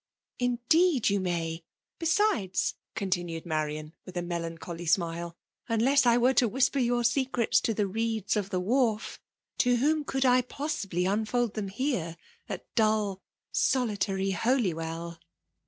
:" Indeed you may. Besides/* continued Marian with a melancholy smile, " unless I were to whisper your secrets to the reeds of the Wharfe, to whom could I possibly unfold them here at dull, solitary Holywell